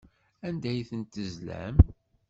Anda ay tent-tezlam?